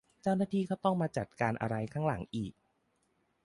เจ้าหน้าที่ก็ต้องมาจัดการอะไรข้างหลังอีก